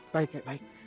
baik kak baik